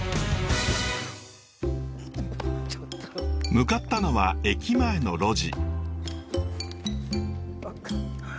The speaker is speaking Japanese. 向かったのは駅前の路地。